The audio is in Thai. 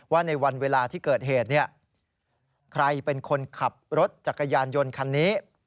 ในวันเวลาที่เกิดเหตุใครเป็นคนขับรถจักรยานยนต์คันนี้